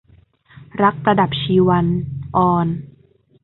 รักประดับชีวัน - อร